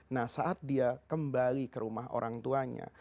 nah saat dia kembali ke rumah orang tuanya